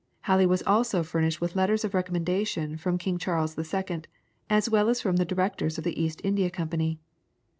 Halley was also furnished with letters of recommendation from King Charles II., as well as from the directors of the East India Company.